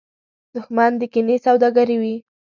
دښمن د کینې سوداګر وي